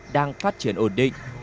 đang phát triển ổn định